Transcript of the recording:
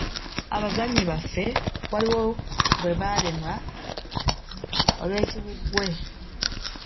Abazannyi baffe waliwo bwe balemwa olwekiwuggwe.